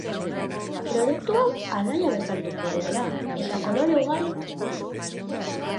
Produktu hau alaia bezain dotorea da, eta kolore ugari du.